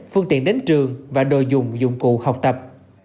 phương tiện đến trường và đồ dùng dụng cụ học tập